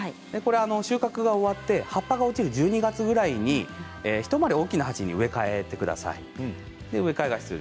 収穫が終わって葉っぱが落ちる１２月ぐらいに一回り大きな鉢に植え替えてください。